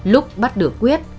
lúc bắt được quyết